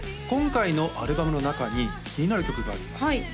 今回のアルバムの中に気になる曲があります